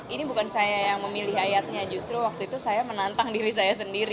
ini bukan saya yang memilih ayatnya justru waktu itu saya menantang diri saya sendiri